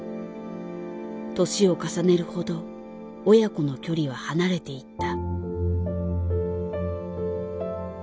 年を重ねるほど親子の距離は離れていった。